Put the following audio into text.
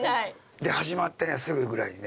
で始まってねすぐぐらいにね